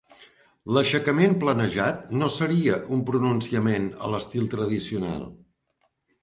L'aixecament planejat no seria un pronunciament a l'estil tradicional.